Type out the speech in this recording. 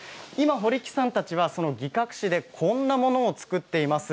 堀木さんたちは今、擬革紙でこんなものを作っています。